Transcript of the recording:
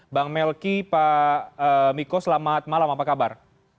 bang melki pak miko selamat malam apa kabar